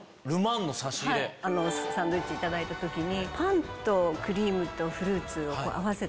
サンドイッチいただいた時に。